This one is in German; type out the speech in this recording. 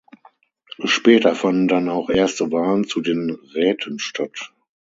Später fanden dann auch erste Wahlen zu den Räten statt.